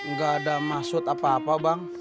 nggak ada maksud apa apa bang